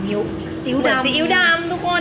เหมือนซิทิสิทธิปนมทุกคน